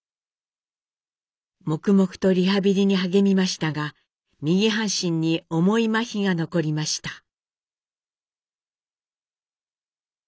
黙々とリハビリに励みましたが右半身に重いまひが残りました。